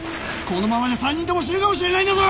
このままじゃ３人とも死ぬかもしれないんだぞ！